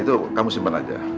itu kamu simpan saja